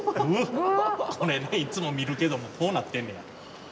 これねいつも見るけどもこうなってんねや。